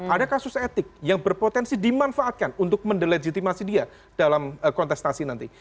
ada kasus etik yang berpotensi dimanfaatkan untuk mendelegitimasi dia dalam kontestasi nanti